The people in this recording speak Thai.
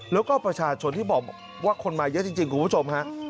แล้วก็ประชาชนที่บอกว่าคนมาเยอะจริงคุณผู้ชมฮะ